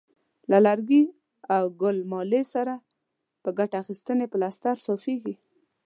له لرګي او ګل مالې څخه په ګټه اخیستنې پلستر صافیږي.